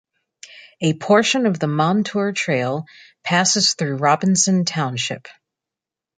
A portion of the Montour Trail passes through Robinson Township.